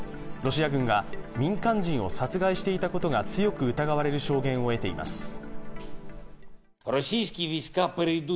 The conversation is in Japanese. ロシア軍が民間人を殺害していたことが強く疑われる証言を得ています。